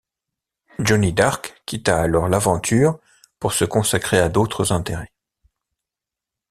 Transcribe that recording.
Johnny Dark quitta alors l'aventure pour se consacrer à d'autres intérêts.